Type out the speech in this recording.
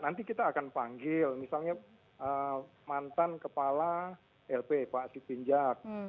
nanti kita akan panggil misalnya mantan kepala lp pak sipinjak